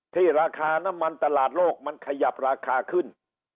ราคาน้ำมันตลาดโลกมันขยับราคาขึ้น